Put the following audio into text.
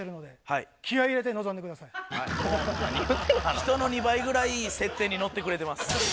人の２倍ぐらい設定にのってくれてます。